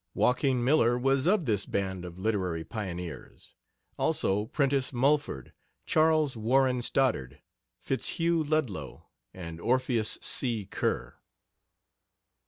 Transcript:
Joaquin Miller was of this band of literary pioneers; also Prentice Mulford, Charles Warren Stoddard, Fitzhugh Ludlow, and Orpheus C. Kerr.